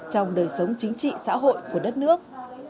trong đời sống chính trị xã hội của đất nước